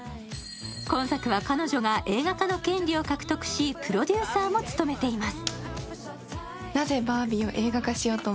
今作は彼女が映画化の権利を獲得し、プロデューサーも務めています。